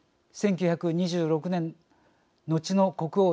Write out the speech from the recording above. １９２６年後の国王